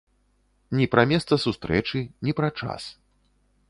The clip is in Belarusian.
Ні пра месца сустрэчы, ні пра час.